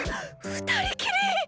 二人きり！